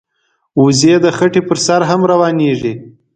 وزې د خټې پر سر هم روانېږي